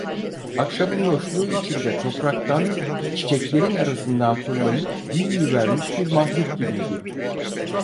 Akşamın loşluğu içinde topraktan, çiçeklerin arasından fırlayıp büyüyüvermiş bir mahluk gibiydi.